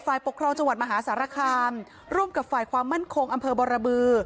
ปกครองจังหวัดมหาสารคามร่วมกับฝ่ายความมั่นคงอำเภอบรบือ